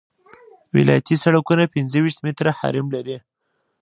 ولایتي سرکونه پنځه ویشت متره حریم لري